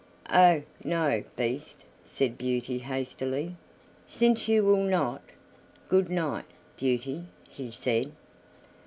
"Oh! no, Beast," said Beauty hastily. "Since you will not, good night, Beauty," he said.